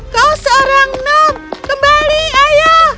kau seorang nom kembali ayo